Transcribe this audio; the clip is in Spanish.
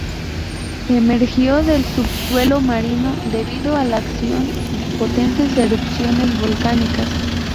Emergió del subsuelo marino debido a la acción de potentes erupciones volcánicas.